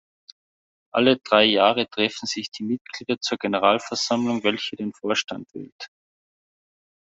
Alle drei Jahre treffen sich die Mitglieder zur Generalversammlung, welche den Vorstand wählt.